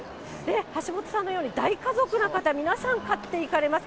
橋下さんのように大家族の方、皆さん買って行かれます。